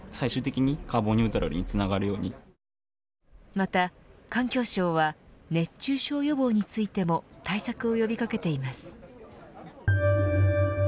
また、環境省は熱中症予防についても対策を呼び掛けています。